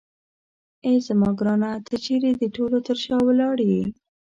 اې زما ګرانه ته چیرې د ټولو تر شا ولاړ یې.